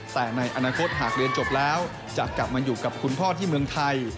แต่ในอนาคตหากเรียนจบแล้วจะกลับมาอยู่กับคุณพ่อที่เมืองไทย